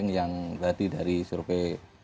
yang tadi dari survei